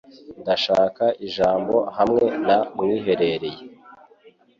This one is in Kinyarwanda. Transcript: Ndashaka ijambo hamwe na mwiherereye.